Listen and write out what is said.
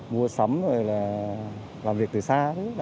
mua sắm rồi là làm việc từ xa